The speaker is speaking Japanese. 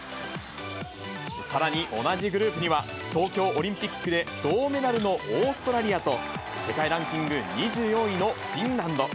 さらに同じグループには、東京オリンピックで銅メダルのオーストラリアと、世界ランキング２４位のフィンランド。